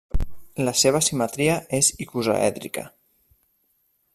La seva simetria és icosaèdrica.